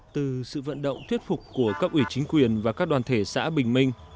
từ sự vận động thuyết phục của cấp ủy chính quyền và các đoàn thể xã bình minh